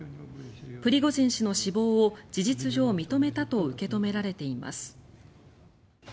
プリゴジン氏の死亡を事実上認めたと受け止められています。